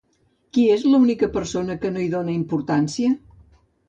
Qui és l'única persona que no hi dona importància?